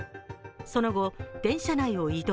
その後、電車内を移動。